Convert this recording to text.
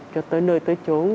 cho tới nơi tới chốn